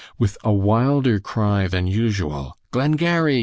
With a wilder cry than usual, "Glengarry!